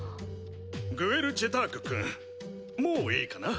グエル・ジェターク君もういいかな？